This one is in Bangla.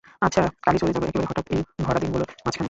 আচ্ছা, কালই চলে যাব, একেবারে হঠাৎ, এই ভরা দিনগুলোর মাঝখানে।